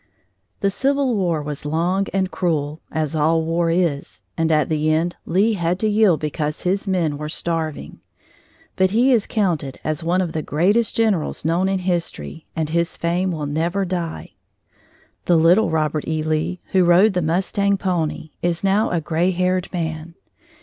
The Civil War was long and cruel, as all war is, and at the end Lee had to yield because his men were starving. But he is counted as one of the greatest generals known in history, and his fame will never die. The little Robert E. Lee, who rode the mustang pony, is now a gray haired man.